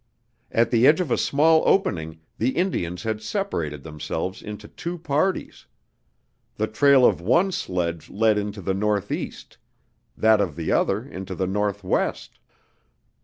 At the edge of a small opening the Indians had separated themselves into two parties. The trail of one sledge led into the northeast, that of the other into the northwest!